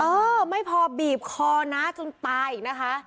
เออไม่พอบีบคอน้าจนตายอีกนะคะ